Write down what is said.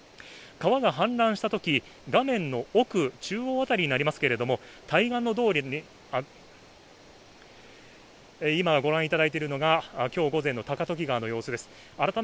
川が氾濫したとき、画面の奥中央辺りになりますけれども今、御覧いただいているのが今日午前の高時川の様子です。